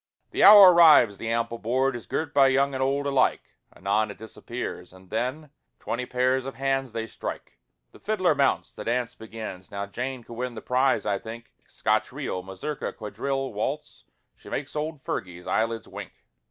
The hour arrives, the ample board Is girt by young and old alike, Anon it disappears, and then Twenty pairs of hands they strike, The fiddler mounts, the dance begins, Now Jane could win the prize, I think, Scotch reel, mazurka, quadrille, waltz, She make's old Fergie's eyelids wink.